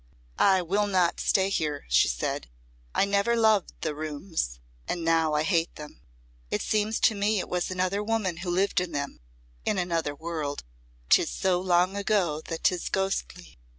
"I will not stay here," she said. "I never loved the rooms and now I hate them. It seems to me it was another woman who lived in them in another world. 'Tis so long ago that 'tis ghostly.